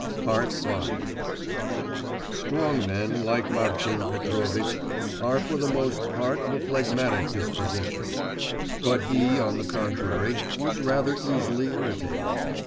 V Strong men, like Martin Petrovitch, are for the most part of a phlegmatic disposition; but he, on the contrary, was rather easily irritated.